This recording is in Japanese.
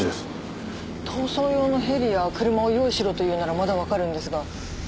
逃走用のヘリや車を用意しろと言うならまだわかるんですが。